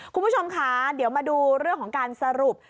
คุณผู้ชมค่ะเดี๋ยวมาดูเรื่องของการสรุป